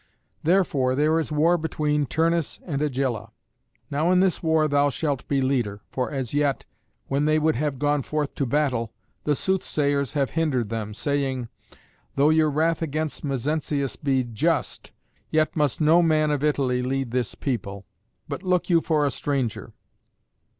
Therefore there is war between Turnus and Agylla. Now in this war thou shalt be leader; for as yet, when they would have gone forth to battle, the soothsayers have hindered them, saying, 'Though your wrath against Mezentius be just, yet must no man of Italy lead this people; but look you for a stranger.'